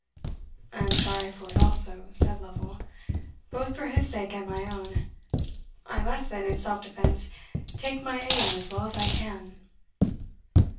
"I am sorry for it also," said Lovel, "both for his sake and my own: I must then, in self defence, take my aim as well as I can."